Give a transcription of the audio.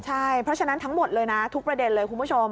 ใช่เพราะฉะนั้นทั้งหมดเลยนะทุกประเด็นเลยคุณผู้ชม